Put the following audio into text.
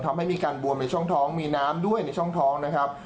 ทำให้มีการบวมในช่องท้องมีน้ำด้วยในช่องท้องนะครับ